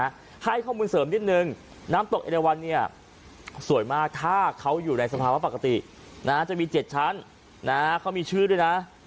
ให้ข้อมูลเสริมนิดนึงน้ำตกเอเรวันเนี่ยสวยมากถ้าเขาอยู่ในสภาวะปกตินะจะมี๗ชั้นนะฮะเขามีชื่อด้วยนะ